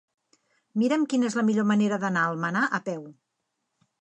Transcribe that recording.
Mira'm quina és la millor manera d'anar a Almenar a peu.